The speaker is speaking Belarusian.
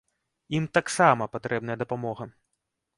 Ім таксама патрэбная дапамога.